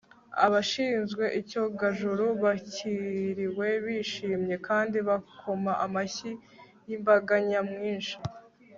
Abashinzwe icyogajuru bakiriwe bishimye kandi bakoma amashyi yimbaga nyamwinshi